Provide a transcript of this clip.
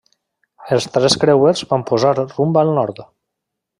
Els tres creuers van posar rumb al nord.